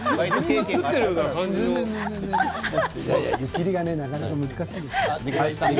湯切りがなかなか難しいんですよ。